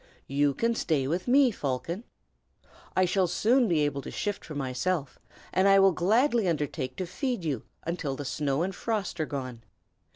"You can stay with me, Falcon. I shall soon be able to shift for myself, and I will gladly undertake to feed you until the snow and frost are gone.